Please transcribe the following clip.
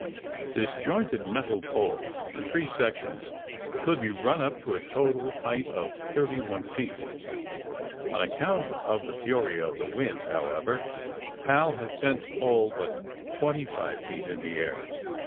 This jointed metal pole, in three sections, could be run up to a total height of thirty one feet. On account of the fury of the wind, how ever, Hal had sent the pole but twenty five feet in the air.